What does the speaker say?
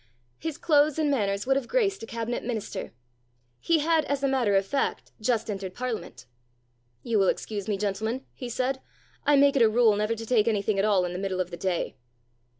His clothes and manners would have graced a Cabinet Minister. He had, as a matter of fact, just entered Parliament. "You will excuse me, gentlemen," he said. "I make it a rule never to take anything at all in the middle of the day."